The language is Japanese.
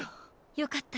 よかった。